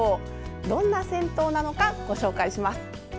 どんな銭湯なのかご紹介します。